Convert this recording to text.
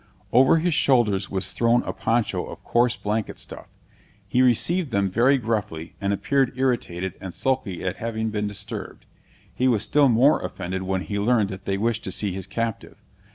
Over his shoulders was thrown a poncho of coarse blanket stuff. He received them very gruffly, and appeared irritated and sulky at having been disturbed; he was still more offended when he learned that they wished to see his captive.